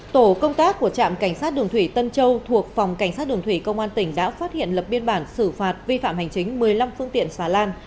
tổ công tác của trạm cảnh sát đường thủy tân châu thuộc phòng cảnh sát đường thủy công an tỉnh đã phát hiện lập biên bản xử phạt vi phạm hành chính một mươi năm phương tiện xà lan